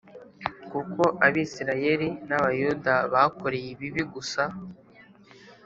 Kuko Abisirayeli n’Abayuda bakoreye ibibi gusa